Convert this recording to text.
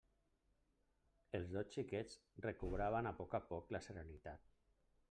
Els dos xiquets recobraven a poc a poc la serenitat.